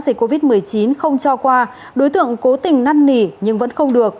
dịch covid một mươi chín không cho qua đối tượng cố tình năn nỉ nhưng vẫn không được